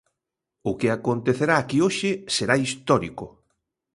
O que acontecerá aquí hoxe será histórico.